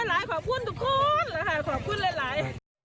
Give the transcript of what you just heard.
นะคะขอบคุณหลาย